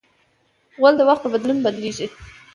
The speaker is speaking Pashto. غول د وخت په بدلون بدلېږي.